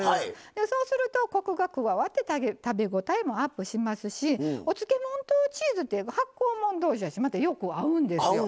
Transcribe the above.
そうするとコクが加わって食べ応えもアップしますしお漬物とチーズって発酵もん同士やしまたよく合うんですよ。